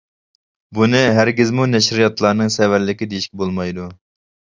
بۇنى ھەرگىزمۇ نەشرىياتلارنىڭ سەۋەنلىكى دېيىشكە بولمايدۇ.